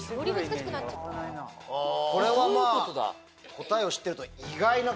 これは答えを知ってると。